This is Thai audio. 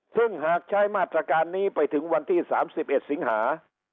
ซึ่งหากใช้มาตรการนี้ไปถึงวันที่๓๑สิงหา